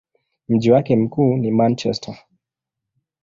Mji wake mkuu ni Manchester.